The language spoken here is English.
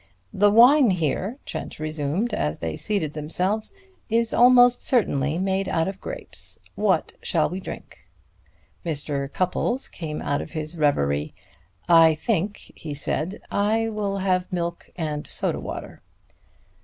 "The wine here," Trent resumed, as they seated themselves, "is almost certainly made out of grapes. What shall we drink?" Mr. Cupples came out of his reverie. "I think," he said, "I will have milk and soda water."